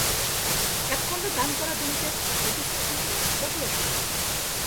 এক খন্ড দান করা জমিতে বসতি স্থাপন করে বসবাস শুরু করেন।